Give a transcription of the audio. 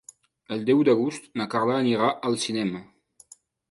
El deu d'agost na Carla anirà al cinema.